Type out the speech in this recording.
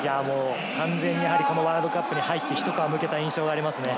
完全にワールドカップに入って一皮むけた印象があります。